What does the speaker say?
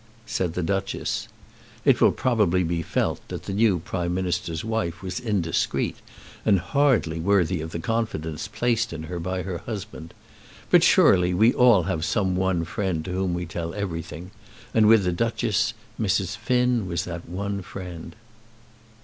said the Duchess. It will probably be felt that the new Prime Minister's wife was indiscreet, and hardly worthy of the confidence placed in her by her husband. But surely we all have some one friend to whom we tell everything, and with the Duchess Mrs. Finn was that one friend.